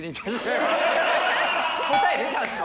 答え出たんすか？